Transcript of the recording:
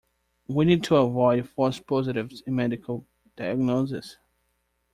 We need to avoid false positives in medical diagnoses.